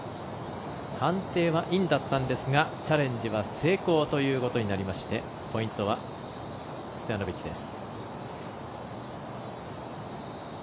判定はインだったんですがチャレンジは成功ということになりましてポイントはストヤノビッチです。